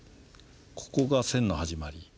ここが線の始まり。